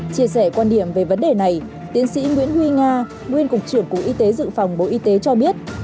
chia sẻ quan điểm về vấn đề này tiến sĩ nguyễn huy nga nguyên cục trưởng cục y tế dự phòng bộ y tế cho biết